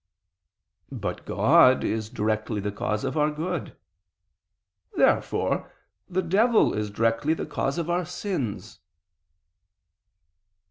But God is directly the cause of our good. Therefore the devil is directly the cause of our sins.